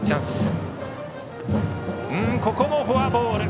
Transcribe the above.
ここもフォアボール。